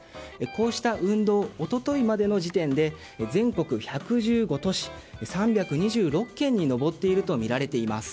こうした運動一昨日までの時点で全国１１５都市、３２６件に上っているとみられています。